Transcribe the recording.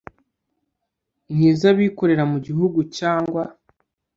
n iz abikorera mu gihugu cyangwa